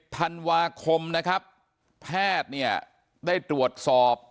ธันวาคมนะครับแพทย์เนี่ยได้ตรวจสอบ